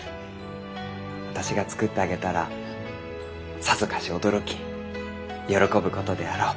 私が作ってあげたらさぞかし驚き喜ぶことであろう。